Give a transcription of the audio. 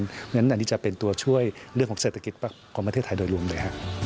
เพราะฉะนั้นอันนี้จะเป็นตัวช่วยเรื่องของเศรษฐกิจของประเทศไทยโดยรวมเลย